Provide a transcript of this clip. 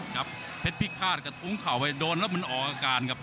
เพชรพิฆาตกระทุ้งเข่าไปโดนแล้วมันออกอาการครับ